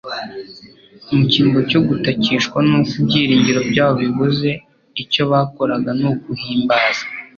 Mu cyimbo cyo gutakishwa nuko ibyiringiro byabo bibuze icyo bakoraga ni uguhimbaza